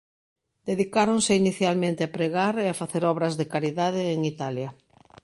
Dedicáronse inicialmente a pregar e a facer obras de caridade en Italia.